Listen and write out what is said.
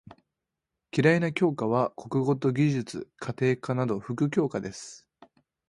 嫌いな教科は国語と技術・家庭科など副教科です。